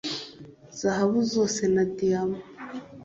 zahabu zose na diyama